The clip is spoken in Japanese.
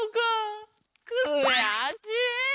くやしい！